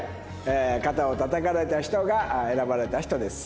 肩をたたかれた人が選ばれた人です。